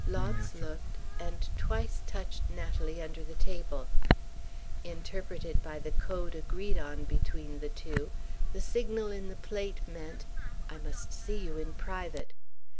Launce looked, and twice touched Natalie under the table. Interpreted by the Code agreed on between the two, the signal in the plate meant, "I must see you in private."